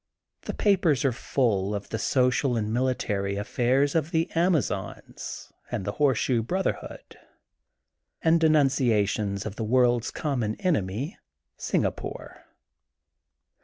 The papers are full of the social and military af fairs of the Amazons and the Horseshoe Brotherhood and denunciations of the world *a common enemy, Singapore.